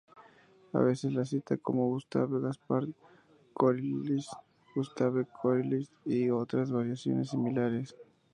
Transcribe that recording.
A veces se le cita como Gustave-Gaspard Coriolis, Gustave Coriolis y otras variaciones similares.